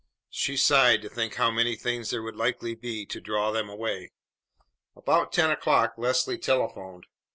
She sighed to think how many things there would likely be to draw them away. About ten o'clock Leslie telephoned.